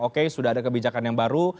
oke sudah ada kebijakan yang baru